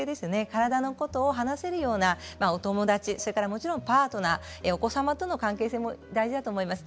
体のことを話せるようなお友達、それからもちろんパートナー、お子様との関係も大事だと思います。